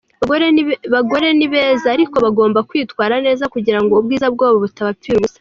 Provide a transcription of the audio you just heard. bagore ni beza ariko bagomba kwitwara neza kugira ngo ubwiza bwa bo butabapfira ubusa.